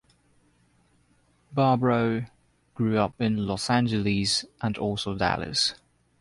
Barbaro grew up in Los Angeles and also Dallas.